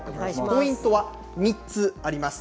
ポイントは３つあります。